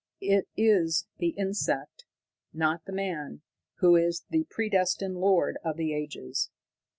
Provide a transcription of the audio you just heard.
It is the insect, not man, who is the predestined lord of the ages!"